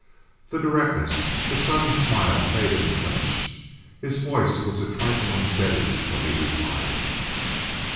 The directness, the sudden smile, made him flinch. His voice was a trifle unsteady when he replied.